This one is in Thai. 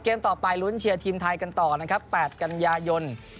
ต่อไปลุ้นเชียร์ทีมไทยกันต่อนะครับ๘กันยายน